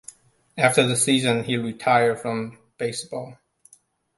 After the season, he retired from baseball.